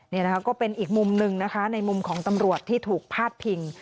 นี่นะคะก็เป็นอีกมุมหนึ่งนะคะในมุมของตำรวจที่ถูกพาดพิง